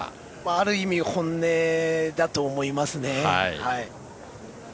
ある意味本音だと思います。